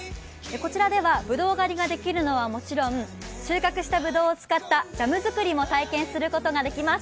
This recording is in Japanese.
こちらではぶどう狩りができるのはもちろん収穫したぶどうを使ったジャム作りも体験することができます。